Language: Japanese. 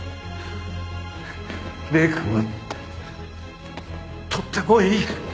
礼くんはとってもいい。